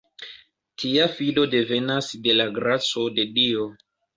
Tia fido devenas de la graco de Dio.